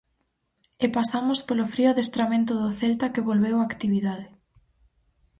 E pasamos polo frío adestramento do Celta que volveu á actividade.